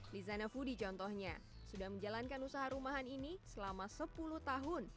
lizana foodie contohnya sudah menjalankan usaha rumahan ini selama sepuluh tahun